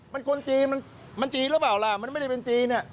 มันคนจีนมันจีนหรือเปล่าล่ะมันไม่ได้เป็นจีน